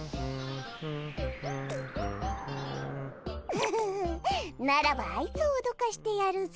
フフフッならばあいつをおどかしてやるぞ！